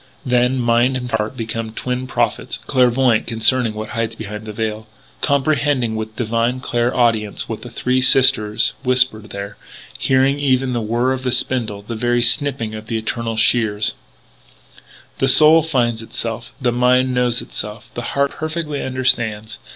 Then mind and heart become twin prophets, clairvoyant concerning what hides behind the veil; comprehending with divine clair audience what the Three Sisters whisper there hearing even the whirr of the spindle the very snipping of the Eternal Shears! The soul finds itself; the mind knows itself; the heart perfectly understands.